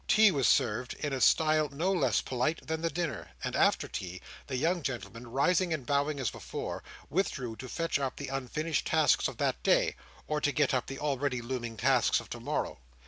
Tea was served in a style no less polite than the dinner; and after tea, the young gentlemen rising and bowing as before, withdrew to fetch up the unfinished tasks of that day, or to get up the already looming tasks of to morrow.